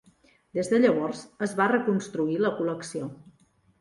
Des de llavors es va reconstruir la col·lecció.